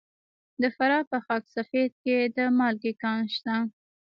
د فراه په خاک سفید کې د مالګې کان شته.